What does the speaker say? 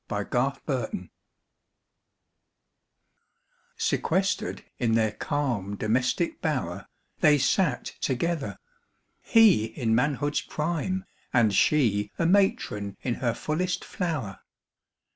DOMESTIC BLISS IV Sequestered in their calm domestic bower, They sat together. He in manhood's prime And she a matron in her fullest flower.